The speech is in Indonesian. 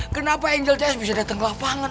kenapa angel cez bisa dateng ke lapangan